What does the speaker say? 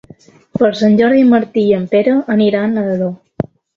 Per Sant Jordi en Martí i en Pere aniran a Ador.